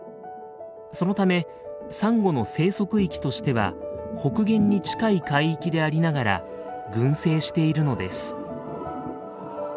そのためサンゴの生息域としては北限に近い海域でありながら群生しているのです。